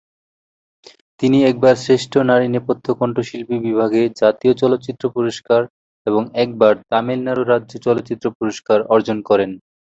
তিনি একবার শ্রেষ্ঠ নারী নেপথ্য কণ্ঠশিল্পী বিভাগে জাতীয় চলচ্চিত্র পুরস্কার এবং একবার তামিলনাড়ু রাজ্য চলচ্চিত্র পুরস্কার অর্জন করেন।